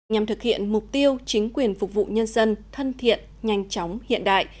nhằm thực hiện mục tiêu chính quyền phục vụ nhân dân thân thiện nhanh chóng hiện đại